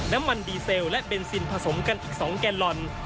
น้ำมันดีเซลและเบนซินผสมกันอีก๒แกลลอน